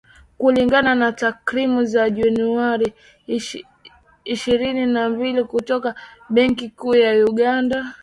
Kulingana na takwimu za Januari ishirini na mbili kutoka Benki Kuu ya Uganda